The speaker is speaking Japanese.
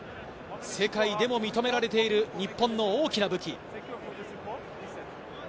世界でも認められている日本の大きな武器。